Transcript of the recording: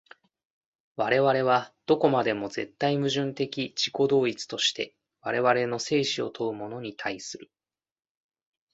我々はどこまでも絶対矛盾的自己同一として我々の生死を問うものに対する。